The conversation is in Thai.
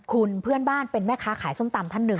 คุณเพื่อนบ้านเป็นแม่ค้าขายส้มตำท่านหนึ่ง